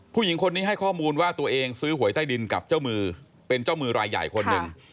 ผู้หญิงคนนี้ให้ข้อมูลว่าตัวเองซื้อหวยใต้ดินกับเจ้ามือเป็นเจ้ามือรายใหญ่คนหนึ่ง